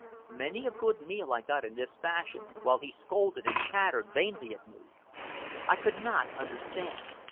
Many a good meal I got in this fashion, while he scolded and chattered vainly at me. I could not understand.